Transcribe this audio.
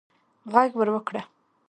ږغ ور وکړه